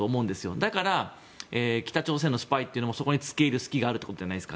だから北朝鮮のスパイというのもそこに付け入る隙があるということじゃないですか。